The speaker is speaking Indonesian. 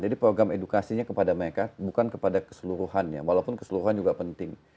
jadi program edukasinya kepada mereka bukan kepada keseluruhannya walaupun keseluruhan juga penting